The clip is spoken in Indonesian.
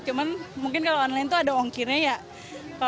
cuman mungkin kalau online itu ada ongkirnya ya